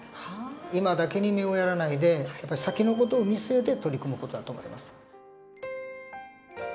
今だけに目をやらないで先の事を見据えて取り組む事だと思います。